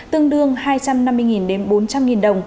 tương đương hai trăm năm mươi đến bốn trăm linh đồng